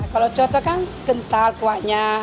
kalau coto kan kental kuahnya